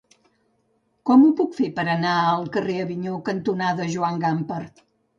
Com ho puc fer per anar al carrer Avinyó cantonada Joan Gamper?